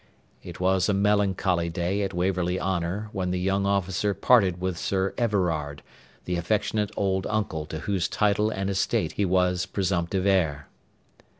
It was a melancholy day at Waverley Honour when the young officer parted with Sir Everard, the affectionate old uncle to whose title and estate he was presumptive heir.